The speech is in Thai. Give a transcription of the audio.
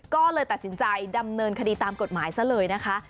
ก็เลยตัดสินใจดำเนินคดีตามกฎหมายซะเลยนะคะ